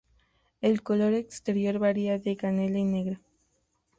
El color exterior varía de canela a negro.